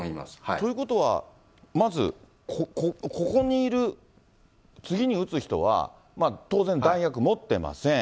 ということは、まず、ここにいる次に撃つ人は、当然、弾薬持ってません。